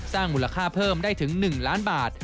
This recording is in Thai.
สร้างมูลค่าเพิ่มได้ถึง๑ล้านบาท